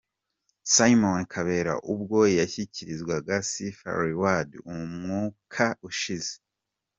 Simon Kabera ubwo yashyikirizwaga Sifa Reward umwaka ushize.